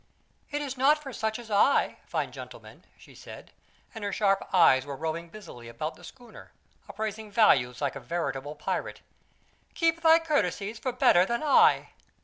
"It is not for such as I, fine gentlemen," she said, and her sharp eyes were roving busily about the schooner, appraising values like a veritable pirate. "Keep thy courtesies for better than I."